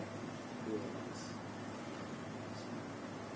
baik tidak menyampaikan ke keluarga